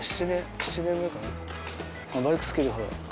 ７年目かな。